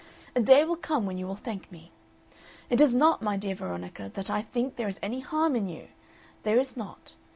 A day will come when you will thank me. It is not, my dear Veronica, that I think there is any harm in you; there is not.